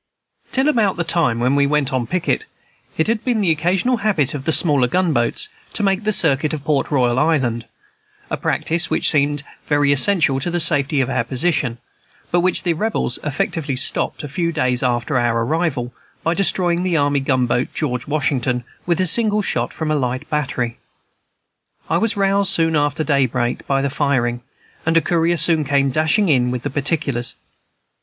Till about the time when we went on picket, it had been the occasional habit of the smaller gunboats to make the circuit of Port Royal Island, a practice which was deemed very essential to the safety of our position, but which the Rebels effectually stopped, a few days after our arrival, by destroying the army gunboat George Washington with a single shot from a light battery. I was roused soon after daybreak by the firing, and a courier soon came dashing in with the particulars.